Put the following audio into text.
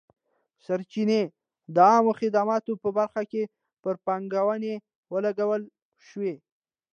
سرچینې د عامه خدماتو په برخه کې پر پانګونې ولګول شوې.